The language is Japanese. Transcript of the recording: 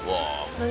何？